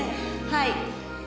はい。